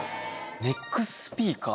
ネックスピーカー。